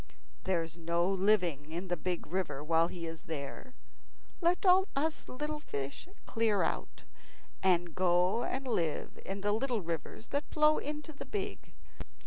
There's no living in the big river while he is here. Let all us little fish clear out, and go and live in the little rivers that flow into the big.